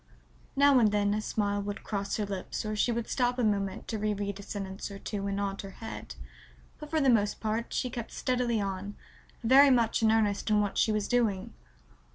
Now and then a smile would cross her lips or she would stop a moment to reread a sentence or two and nod her head, but for the most part she kept steadily on, very much in earnest in what she was doing.